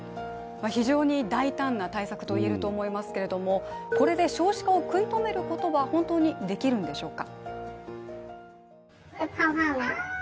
非常に大胆な対策といえると思いますけれどもこれで少子化を食い止めることが本当にできるんでしょうか。